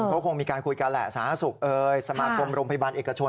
เขาคงมีการคุยกันแหละสาธารณสุขเอ่ยสมาคมโรงพยาบาลเอกชน